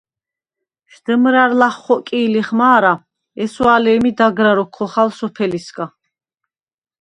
შდჷმრა̈რ ლახ ხოკი̄ლიხ მა̄რა, ესვა̄ლე̄მი დაგრა როქვ ხოხალ სოფელისგა.